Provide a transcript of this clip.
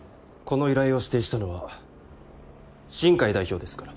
この依頼を指定したのは新偕代表ですから。